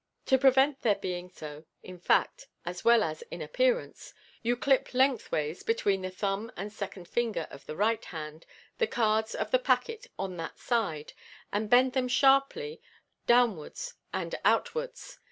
To prevent their being so in fact, as well as in appearance, you clip lengthways between the thumb and second ringer of the right hand the cards of the packet on that side, and bend them sharply downwards and outwards.